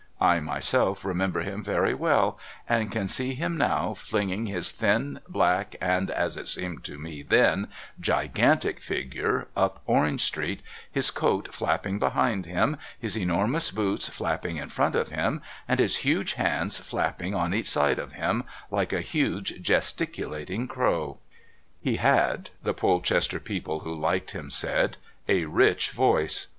I, myself, remember him very well, and can see him now flinging his thin, black, and as it seemed to me then gigantic figure up Orange Street, his coat flapping behind him, his enormous boots flapping in front of him, and his huge hands flapping on each side of him like a huge gesticulating crow. He had, the Polchester people who liked him said, "a rich voice."